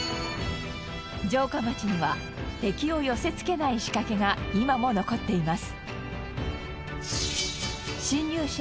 城下町には敵を寄せ付けない仕掛けが今も残っています。